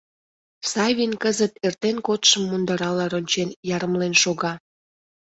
Савин кызыт эртен кодшым мундырала рончен ярымлен шога.